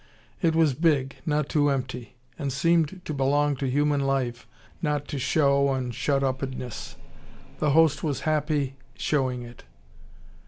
It was big, not too empty, and seemed to belong to human life, not to show and shut upedness. The host was happy showing it.